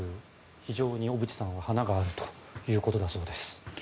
非常に小渕さんは華があるということだそうです。